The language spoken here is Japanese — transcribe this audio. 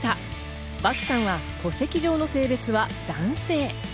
漠さんは戸籍上の性別は男性。